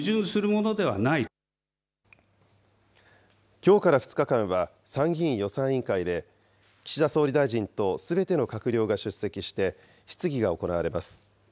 きょうから２日間は、参議院予算委員会で、岸田総理大臣とすべての閣僚が出席して質疑が行われます。